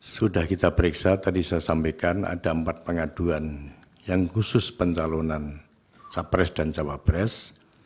sudah kita periksa tadi saya sampaikan ada empat pengaduan yang khusus pencalonan capres dan cawapres